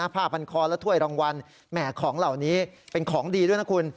ผ้าพันคอและถ้วยรางวัลแหมของเหล่านี้เป็นของดีด้วยนะคุณ